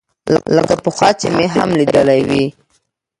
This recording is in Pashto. لکه پخوا چې مې هم ليدلى وي.